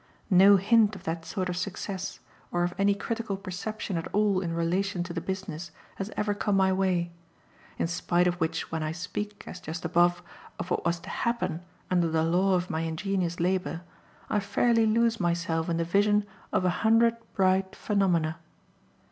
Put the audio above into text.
No hint of that sort of success, or of any critical perception at all in relation to the business, has ever come my way; in spite of which when I speak, as just above, of what was to "happen" under the law of my ingenious labour, I fairly lose myself in the vision of a hundred bright phenomena.